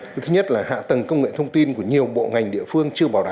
thứ nhất là hạ tầng công nghệ thông tin của nhiều bộ ngành địa phương chưa bảo đảm